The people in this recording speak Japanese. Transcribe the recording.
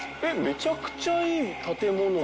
めちゃくちゃいい建物じゃない？